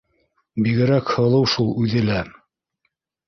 Бигерәк һылыу шул үҙе лә.